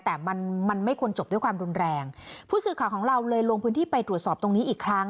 แต่มันมันไม่ควรจบด้วยความรุนแรงผู้สื่อข่าวของเราเลยลงพื้นที่ไปตรวจสอบตรงนี้อีกครั้ง